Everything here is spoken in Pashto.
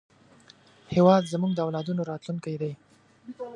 هېواد زموږ د اولادونو راتلونکی دی